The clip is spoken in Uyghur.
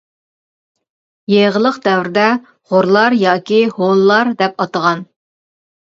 يېغىلىق دەۋرىدە غۇرلار ياكى ھونلار دەپ ئاتىغان.